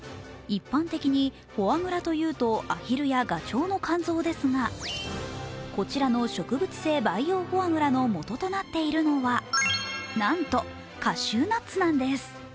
一般的にフォアグラというとアヒルやガチョウの肝臓ですが、こちらの植物性培養フォアグラのもととなっているのはなんとカシューナッツなんです。